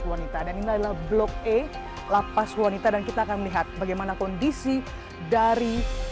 wanita dan inilah blog e lapas wanita dan kita akan melihat bagaimana kondisi dari